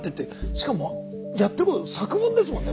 しかもやってること作文ですもんね。